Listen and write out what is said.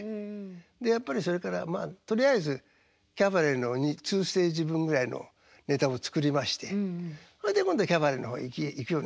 でやっぱりそれからまあとりあえずキャバレーの２ステージ分ぐらいのネタを作りましてそれで今度キャバレーの方へ行くようになったんですね。